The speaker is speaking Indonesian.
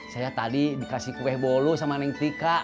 saya tadi dikasih kue bolu sama neng tika